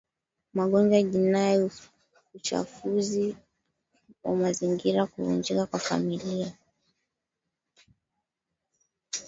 magonjwa jinai uchafuzi wa mazingira kuvunjika kwa familia